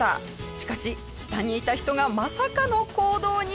しかし下にいた人がまさかの行動に。